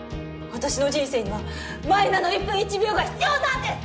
私の人生には舞菜の１分１秒が必要なんです！